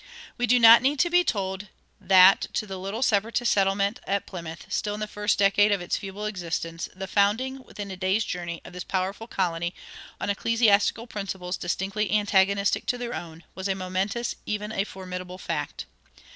We do not need to be told that to the little Separatist settlement at Plymouth, still in the first decade of its feeble existence, the founding, within a day's journey, of this powerful colony, on ecclesiastical principles distinctly antagonistic to their own, was a momentous, even a formidable fact.